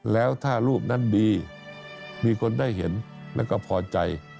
แล้วถ้ารูปนั้นดีมีคนได้เห็นแล้วก็พอใจ